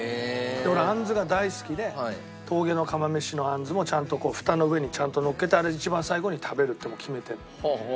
俺杏子が大好きで峠の釜めしの杏子もちゃんとこうフタの上にちゃんとのっけてあれ一番最後に食べるってもう決めてるの。